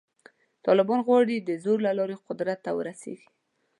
طالبان غواړي د زور له لارې قدرت ته ورسېږي.